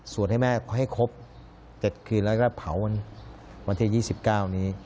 ให้แม่ให้ครบ๗คืนแล้วก็เผาวันที่๒๙นี้